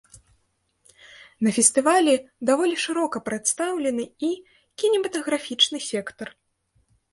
На фестывалі даволі шырока прадстаўлены і кінематаграфічны сектар.